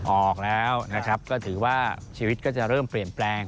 ออกแล้วนะครับก็ถือว่าชีวิตก็จะเริ่มเปลี่ยนแปลง